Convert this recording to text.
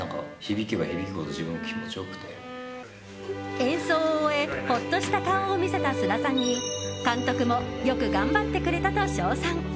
演奏を終えほっとした顔を見せた菅田さんに監督もよく頑張ってくれたと称賛。